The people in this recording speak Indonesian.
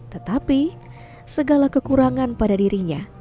tetapi segala kekurangan pada dirinya